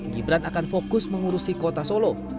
gibran akan fokus mengurusi kota solo